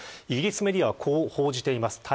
イギリスメディアはこう報じています。